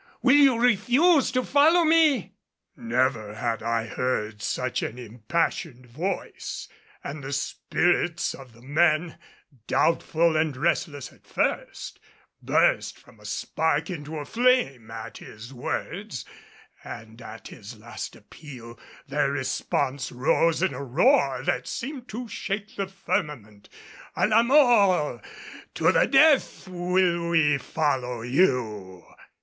Will you refuse to follow me?" Never had I heard such an impassioned voice, and the spirits of the men, doubtful and restless at first, burst from a spark into a flame at his words, and at his last appeal their response rose in a roar that seemed to shake the firmament. "A la mort! To the death will we follow you!"